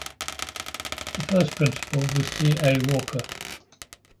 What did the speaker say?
The first principal was C. A. Walker.